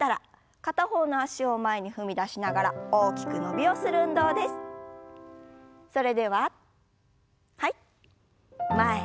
片方の脚を前に踏み出しながら大きく伸びをしましょう。